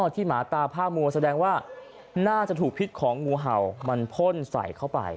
หมาตาผ้ามัวแสดงว่าน่าจะถูกพิษของงูเห่ามันพ่นใส่เข้าไป